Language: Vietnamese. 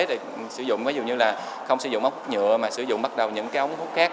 để sử dụng ví dụ như là không sử dụng ốc nhựa mà sử dụng bắt đầu những cái ống hút khác